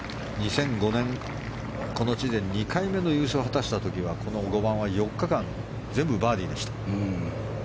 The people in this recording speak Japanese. ２００５年、この地で２回目の優勝を果たした時はこの５番は４日間、全部バーディーでした。